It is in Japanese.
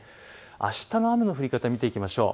あしたの雨の降り方を見ていきましょう。